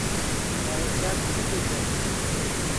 ظاہر شاہ څیمین کیتے